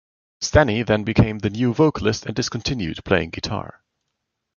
Stanne then became the new vocalist and discontinued playing guitar.